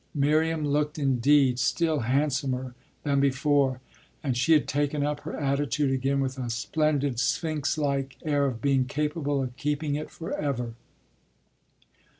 Miriam looked indeed still handsomer than before, and she had taken up her attitude again with a splendid, sphinx like air of being capable of keeping it for ever.